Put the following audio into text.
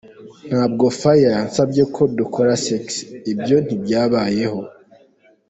Ntabwo Fire yansabye ko dukora Sexe, ibyo ntibyabayeho.